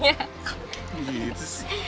iya gitu sih